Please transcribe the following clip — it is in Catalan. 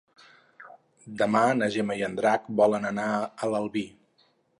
Demà na Gemma i en Drac volen anar a l'Albi.